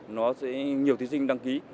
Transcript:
nó sẽ nhiều thí sinh đăng ký